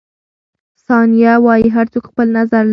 ثانیه وايي، هر څوک خپل نظر لري.